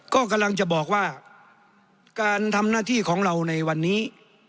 ก็กำลังจะบอกว่าการทำหน้าที่ของเราในวันนี้